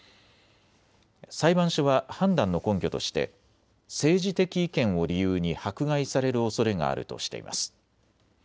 裁判所は判断の根拠として政治的意見を理由に迫害されるおそれがあるとしています。